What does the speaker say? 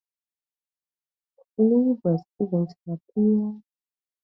Leave was given to appeal.